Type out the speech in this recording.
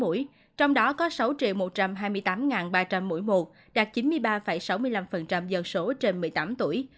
một bốn trăm bốn mươi năm một mươi sáu mũi trong đó có sáu một trăm hai mươi tám ba trăm linh mũi một đạt chín mươi ba sáu mươi năm dân số trên một mươi tám tuổi